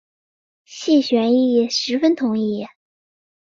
谢玄亦十分同意。